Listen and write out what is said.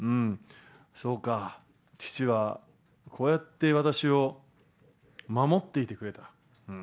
そうか、父はこうやって私を守っていてくれた。